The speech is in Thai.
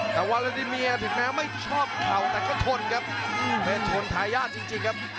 แต่ว่าลาดิเมียถึงแม้ไม่ชอบเข่าแต่ก็ทนครับเพชรชนทายาทจริงครับ